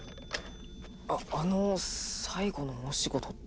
ああの最後の大仕事って？